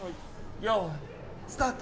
よーい、スタート！